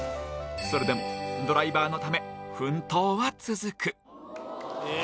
それでもドライバーのため奮闘は続く。